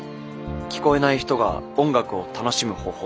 聞こえない人が音楽を楽しむ方法。